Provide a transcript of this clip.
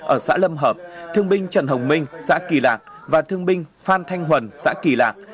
ở xã lâm hợp thương minh trần hồng minh xã kỳ lạc và thương minh phan thanh huần xã kỳ lạc